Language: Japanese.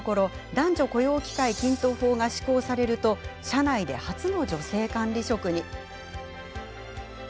男女雇用機会均等法が施行されると社内で初の女性管理職に。